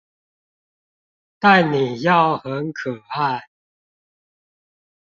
但你要很可愛